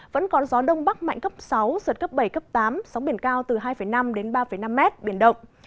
vẫn có gió đông bắc mạnh cấp sáu giật cấp bảy cấp tám sóng biển cao từ hai năm đến ba năm mét biển động